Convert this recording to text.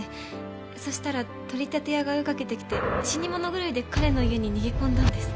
そしたら取り立て屋が追いかけてきて死に物狂いで彼の家に逃げ込んだんです。